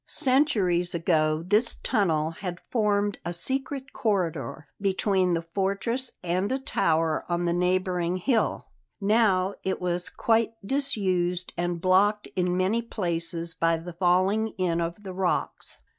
Centuries ago this tunnel had formed a secret corridor between the fortress and a tower on the neighbouring hill; now it was quite disused and blocked in many places by the falling in of the rocks.